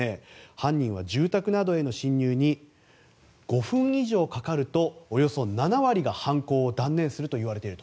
犯人は住宅などへの侵入に５分以上かかるとおよそ７割が犯行を断念するといわれていると。